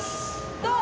どう？